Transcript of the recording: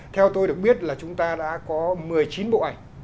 theo tôi được biết là chúng ta đã có một mươi chín bộ ảnh